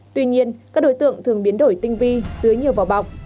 tuy nhiên các đối tượng thường biến đổi tinh vi dưới nhiều vỏ bọc